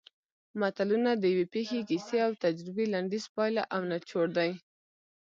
متلونه د یوې پېښې کیسې او تجربې لنډیز پایله او نچوړ دی